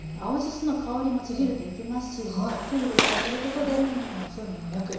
その香りもちぎると生きますしたっぷり入れてあげることで風味もよく仕上がります。